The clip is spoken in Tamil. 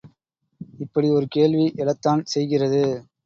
இப்படி, ஒரு கேள்வி எழத்தான் செய்கிறது.